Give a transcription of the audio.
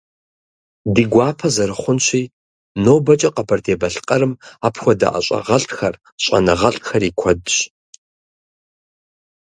Ди гуапэ зэрыхъунщи, нобэкӀэ Къэбэрдей-Балъкъэрым апхуэдэ ӀэщӀагъэлӀхэр, щӀэныгъэлӀхэр и куэдщ.